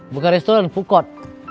bukan restoran pukot